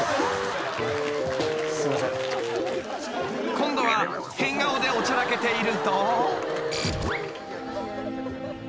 ［今度は変顔でおちゃらけていると］